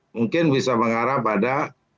mungkin bisa mengarah pada